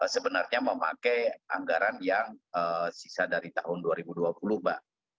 sebenarnya memakai anggaran yang sisa dari tahun dua ribu dua puluh mbak